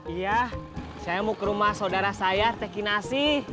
iya saya mau ke rumah saudara saya teki nasi